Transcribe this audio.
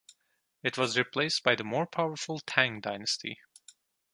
It was replaced by the more powerful Tang dynasty.